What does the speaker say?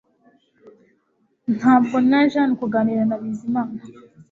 Ntabwo naje hano kuganira na Bizimana